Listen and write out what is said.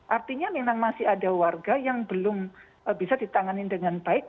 artinya memang masih ada warga yang belum bisa ditanganin dengan baik